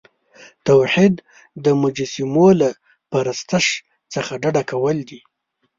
توحید د مجسمو له پرستش څخه ډډه کول دي.